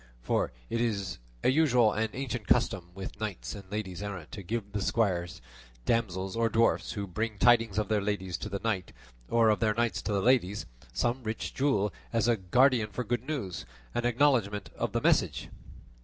For it is a usual and ancient custom with knights and ladies errant to give the squires, damsels, or dwarfs who bring tidings of their ladies to the knights, or of their knights to the ladies, some rich jewel as a guerdon for good news,' and acknowledgment of the message."